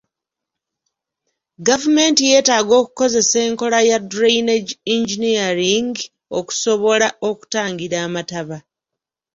Gavumenti yeetaaga okukozesa enkola ya drainage engineering okusobola okutangira amataba.